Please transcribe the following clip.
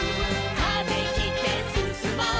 「風切ってすすもう」